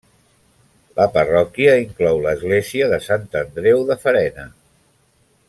La parròquia inclou l'església de Sant Andreu de Farena.